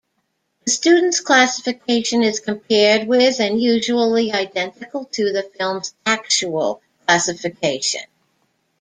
The students' classification is compared with, and usually identical to, the film's actual classification.